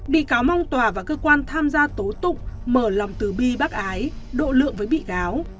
bi cáo mong tòa và cơ quan tham gia tố tụng mở lòng từ bi bác ái độ lượng với bi cáo